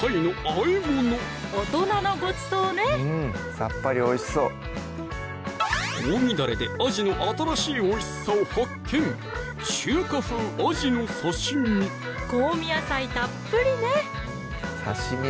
大人のごちそうね香味だれであじの新しいおいしさを発見香味野菜たっぷりね！